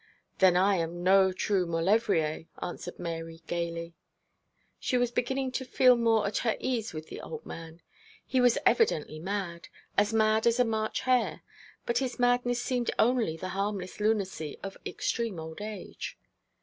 'Then I am no true Maulevrier,' answered Mary gaily. She was beginning to feel more at her ease with the old man. He was evidently mad, as mad as a March hare; but his madness seemed only the harmless lunacy of extreme old age.